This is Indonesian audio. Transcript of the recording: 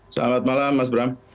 selamat malam mas bram